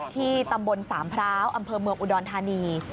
ที่ตำบลสามพร้าวอำเภอเมืองอุดรธานี